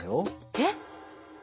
えっ？